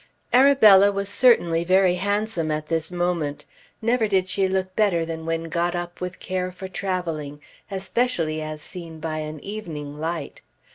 Arabella was certainly very handsome at this moment. Never did she look better than when got up with care for travelling, especially as seen by an evening light.